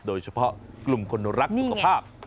โดยเฉพาะกลุ่มคนรักสุขภาพ